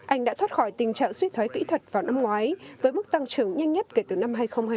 anh đã thoát khỏi tình trạng suy thoái kỹ thuật vào năm ngoái với mức tăng trưởng nhanh nhất kể từ năm hai nghìn hai mươi